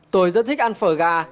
tôi rất thích ăn phở gà